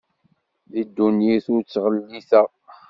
Di ddunit ur t-ɣellteɣ.